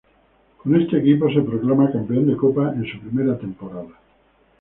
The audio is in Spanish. Con este equipo se proclama campeón de Copa en su primera temporada.